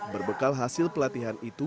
berbekal hasil pelatihan itu